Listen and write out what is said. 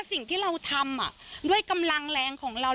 สิ่งที่เราทำด้วยกำลังแรงของเรา